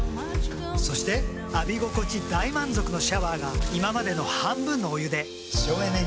そして浴び心地大満足のシャワーが今までの半分のお湯で省エネに。